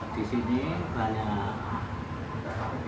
di sini banyak